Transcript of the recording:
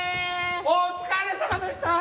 お疲れさまでした！